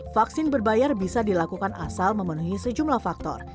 vaksin berbayar bisa dilakukan asal memenuhi sejumlah faktor